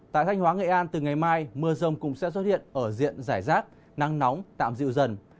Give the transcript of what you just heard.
tại thanh hóa nghệ an từ ngày mai mưa rông cũng sẽ xuất hiện ở diện giải rác nắng nóng tạm dịu dần